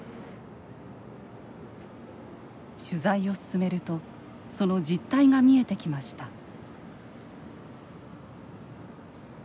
取材を進めるとその実態が見えてきました。